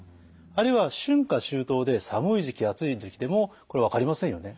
あるいは春夏秋冬で寒い時期暑い時期でもこれ分かりませんよね。